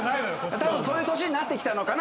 たぶんそういう歳になってきたのかな